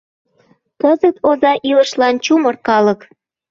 Кызыт оза илышлан — чумыр калык.